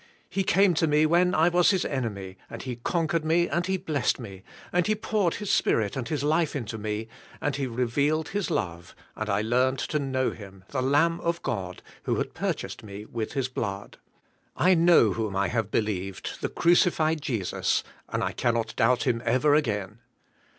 He came to me when I was' His enemy and He conquered me and He blessed me, and He poured His Spirit and His life into me, and He revealed His love, and I learned to know Him, the Lamb of God who had purchased me with His blood, I know whom I have believed, the cruci fied Jesus, and I cannot doubt Him ever ag"ain."